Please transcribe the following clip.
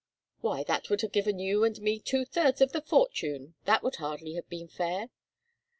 "Why, that would have given you and me two thirds of the fortune! That would hardly have been fair."